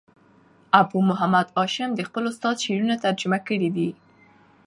ابو محمد هاشم دخپل استاد شعرونه ترجمه کړي دي.